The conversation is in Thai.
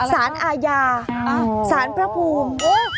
ศาลอาญาศาลพระภูมิ